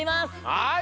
はい！